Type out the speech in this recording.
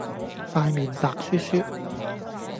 塊面白雪雪